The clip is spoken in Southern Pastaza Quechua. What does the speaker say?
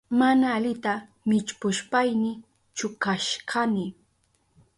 Mana alita millpushpayni chukashkani.